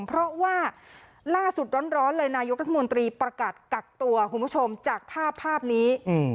เพราะว่าล่าสุดร้อนเลยนายกรัฐมนตรีประกาศกักตัวคุณผู้ชมจากภาพภาพนี้